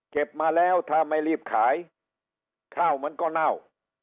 มาแล้วถ้าไม่รีบขายข้าวมันก็เน่า